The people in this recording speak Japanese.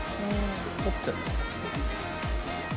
織ってる。